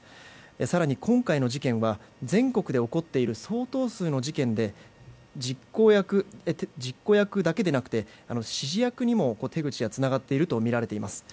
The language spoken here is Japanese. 更に今回の事件は全国で起こっている相当数の事件で実行役だけでなくて指示役にも手口がつながっているとみられます。